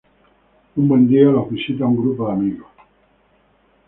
Un buen día los visita un grupo de amigos.